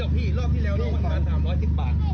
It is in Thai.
ดูทีพีเอสพี่อย่าพาน้องอ้อม